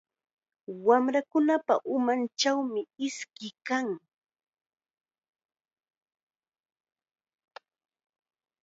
Wamrakunapa umanchawmi iski kan.